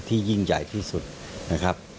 ยิ่งใหญ่ที่สุดนะครับ